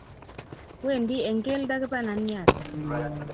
Wendi eng keldo kibananyat